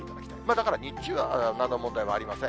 だから日中はなんの問題もありません。